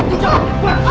kita ke arah mana guru